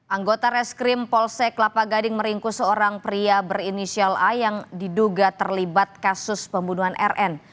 anggota reskrim polsek kelapa gading meringkus seorang pria berinisial a yang diduga terlibat kasus pembunuhan rn